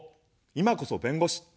いまこそ弁護士。